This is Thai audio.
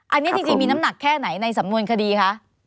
อันนี้จริงมีน้ำหนักแค่ไหนในสำนวนคดีคะ